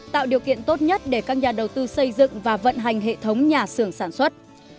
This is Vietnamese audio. tạo điều kiện tốt nhất để các nhà đầu tư xây dựng và vận hành hệ thống nhà xưởng sản xuất